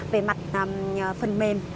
về mặt phần mềm